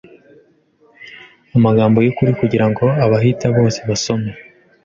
amagambo yukuri kugirango abahita bose basome